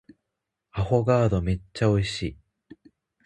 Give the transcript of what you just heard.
アフォガードめっちゃ美味しい